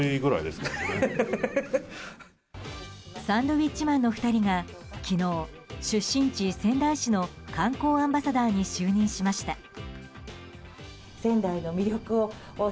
サンドウィッチマンの２人が昨日、出身地・仙台市の観光アンバサダーに就任しました。